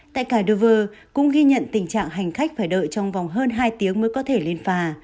tại kadeuver cũng ghi nhận tình trạng hành khách phải đợi trong vòng hơn hai tiếng mới có thể lên phà